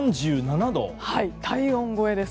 体温超えです。